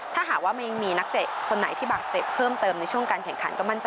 ถ้าหากมีนักเตะคนไหนที่บาดเจ็บเพิ่มเติมในคันการแข่งขัน